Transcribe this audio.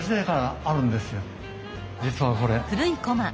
実はこれ。